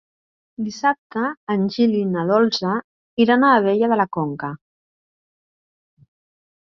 Dissabte en Gil i na Dolça iran a Abella de la Conca.